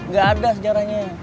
gak ada sejarahnya